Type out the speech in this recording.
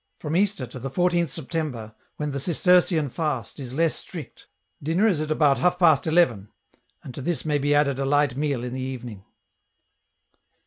From Easter to the 14th September, when the Cistercian fast is less strict, dinner is at about half past eleven, and to this may be added a light meal in the evening."